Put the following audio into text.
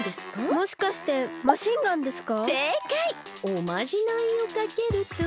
おまじないをかけると。